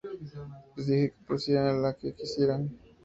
Les dije que pusieran la que quisieran.